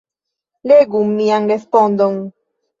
Legu mian respondon.